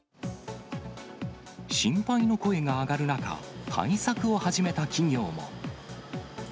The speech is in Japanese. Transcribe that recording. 心配の声が上がる中、対策を始めた企業も。